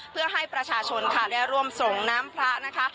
เพื่อให้ประชาชนค่ะได้ร่วมส่งน้ำพระนะคะ